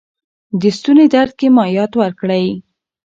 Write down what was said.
د ستوني درد کې مایعات ورکړئ.